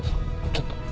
ちょっと。